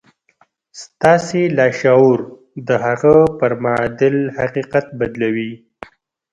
ستاسې لاشعور د هغه پر معادل حقيقت بدلوي.